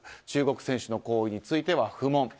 中国選手の行為については不問。